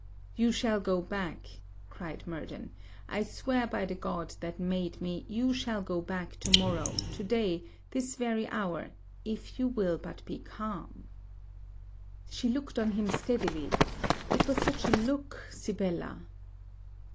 'You shall go back,' cried Murden. 'I swear by the God that made me, you shall go back to morrow, to day, this very hour, if you will but be calm.' She looked on him steadily it was such a look, Sibella!